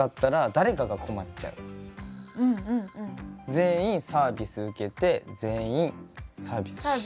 全員サービス受けて全員サービスして。